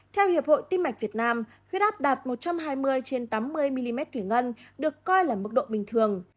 theo hiệp hội tim mạch việt nam huyết áp đạt một trăm hai mươi trên tám mươi mm thủy ngân được coi là mức độ bình thường